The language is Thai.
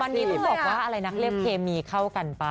บรรณนี้บอกว่าอะไรนะคลียมเคมีเข้ากันปะ